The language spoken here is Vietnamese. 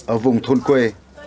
ở vùng thôn quê